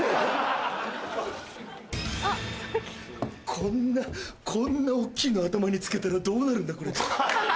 こんなこんな大っきいの頭に付けたらどうなるんだ？